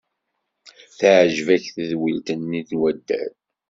Teɛjeb-ak tedwilt-nni n waddal?